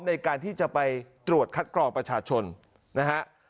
ในการที่จะไปตรวจคัดกรองประชาชนนะฮะ